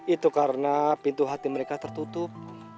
itu karena pintu hati mereka tertutup